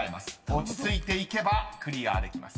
［落ち着いていけばクリアできます］